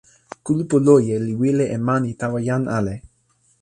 kulupu loje li wile e mani tawa jan ale.